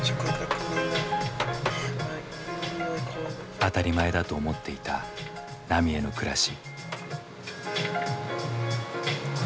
当たり前だと思っていた浪江の暮らし。